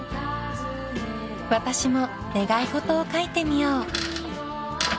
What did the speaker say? ［私も願い事を書いてみよう］